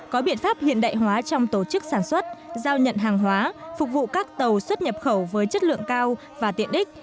có biện pháp hiện đại hóa trong tổ chức sản xuất giao nhận hàng hóa phục vụ các tàu xuất nhập khẩu với chất lượng cao và tiện ích